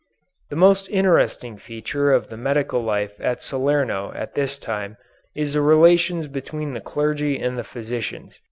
The most interesting feature of the medical life at Salerno at this time is the relations between the clergy and the physicians.